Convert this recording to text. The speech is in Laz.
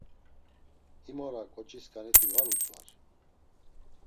Him ora ǩoçisǩaniti var utzvar.